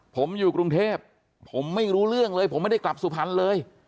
ผมอยู่กรุงเทพผมไม่รู้เรื่องเลยผมไม่ได้กลับสุพรรณเลย